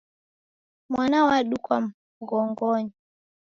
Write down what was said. Mwana wadukwa mghongonyi